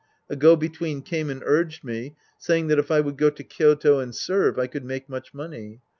A go between came and urged me, saying that if I would go to Kyoto and serve, I could make much money.